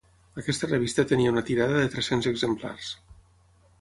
Aquesta revista tenia una tirada de tres-cents exemplars.